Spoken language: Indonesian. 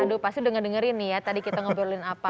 aduh pasti udah ngedengerin nih ya tadi kita ngobrolin apa